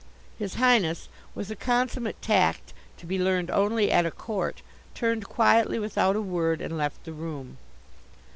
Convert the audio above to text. His Highness, with the consummate tact to be learned only at a court, turned quietly without a word and left the room.